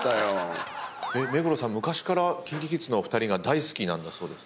目黒さん昔からＫｉｎＫｉＫｉｄｓのお二人大好きなんだそうですね。